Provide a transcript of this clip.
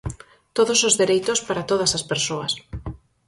Todos os dereitos para todas as persoas.